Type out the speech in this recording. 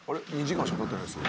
２時間しかたってないですよ。